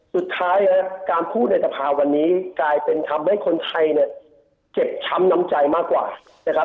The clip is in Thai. สุดท้ายการพูดเดินสภาวันนี้กลายเป็นทำให้คนไทยเจ็บช้ำน้ำใจมากกว่า